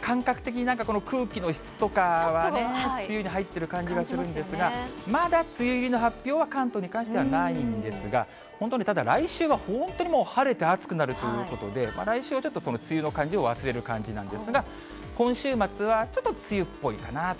感覚的になんか、空気の質とかはね、梅雨に入ってる感じがするんですが、まだ梅雨入りの発表は、関東に関してはないんですが、本当はね、ただ、来週は本当にもう晴れて暑くなるということで、来週はちょっと梅雨の感じを忘れる感じなんですが、今週末は、ちょっと梅雨っぽいかなと。